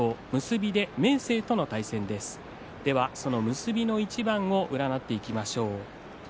結びの一番を占っていきましょう。